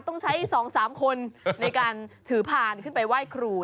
ต้องใช้๒๓คนในการถือพานขึ้นไปไหว้ครู